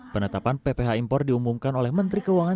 penetapan pph impor diumumkan oleh menteri keuangan